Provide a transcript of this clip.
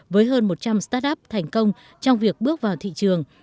với hơn một trăm linh start up thành công trong việc bước vào thị trường